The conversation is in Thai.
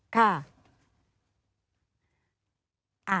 ค่ะ